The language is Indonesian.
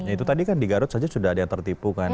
itu tadi kan di garut saja sudah ada yang tertipu kan